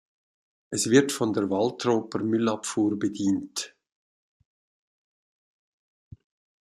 Es wird von der Waltroper Müllabfuhr bedient.